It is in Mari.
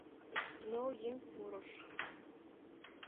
Ныл еҥ пурыш.